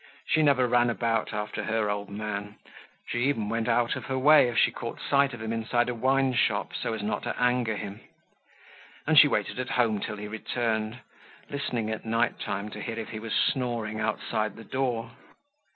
She never ran about after her old man; she even went out of her way if she caught sight of him inside a wineshop, so as to not anger him; and she waited at home till he returned, listening at night time to hear if he was snoring outside the door.